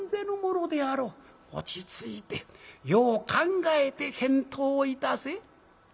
落ち着いてよう考えて返答いたせ」。